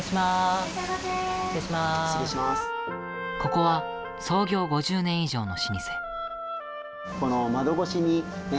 ここは創業５０年以上の老舗。